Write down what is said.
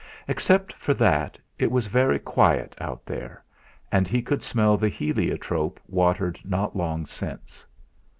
Except for that it was very quiet out there, and he could smell the heliotrope watered not long since.